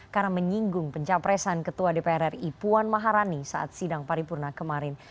karena menyinggung pencapresan ketua dpr ri puan maharani saat sidang paripurna kemarin